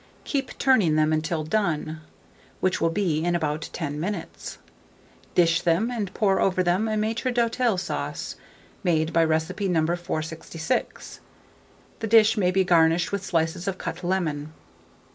Keep turning them until done, which will be in about 10 minutes; dish them, and pour over them a Maître d'hôtel sauce, made by recipe No. 466. The dish may be garnished with slices of cut lemon.